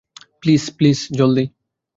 Please, please জলদি!